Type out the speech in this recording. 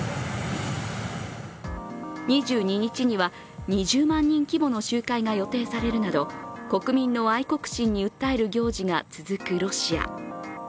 ２２日には、２０万人規模の集会が予定されるなど国民の愛国心に訴える行事が続くロシア。